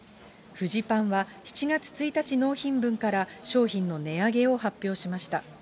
フジパンは、７月１日納品分から、商品の値上げを発表しました。